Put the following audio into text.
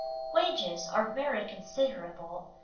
"Wages are very considerable